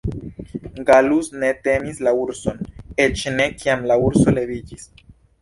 Gallus ne timis la urson, eĉ ne, kiam la urso leviĝis.